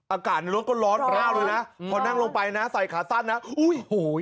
อากาศในรถก็ร้อนร่าวเลยนะพอนั่งลงไปนะใส่ขาสั้นนะโอ้โห